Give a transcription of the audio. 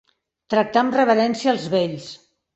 Tractar amb reverència els vells.